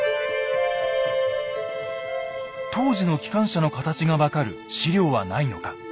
当時の機関車の形が分かる史料はないのか。